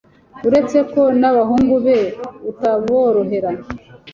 uretse ko n’abahungu be ataborohera